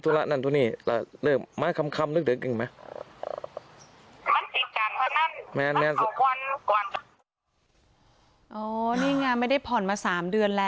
จะได้เจอตัวผู้หญิงด้วย